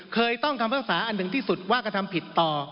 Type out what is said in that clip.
เคยต้องคำภาษาอันหนึ่งที่สุดว่ากระทำผิดต่อ